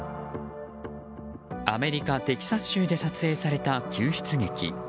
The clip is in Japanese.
アメリカ・テキサス州で撮影された救出劇。